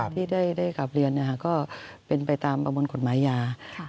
ที่ได้กลับเรียนก็เป็นไปตามประมวลกฎหมายยา